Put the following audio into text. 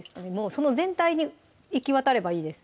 その全体に行き渡ればいいです